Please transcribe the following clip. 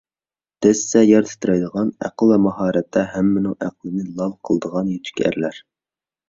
دەسسىسە يەر تىترەيدىغان، ئەقىل ۋە ماھارەتتە ھەممىنىڭ ئەقلىنى لال قىلىدىغان يېتۈك ئەرلەر